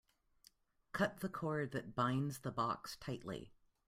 Cut the cord that binds the box tightly.